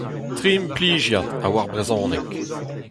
Tri implijad a oar brezhoneg.